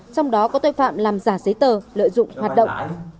trong đó có tội phạm làm giả giấy tờ lợi dụng hoạt động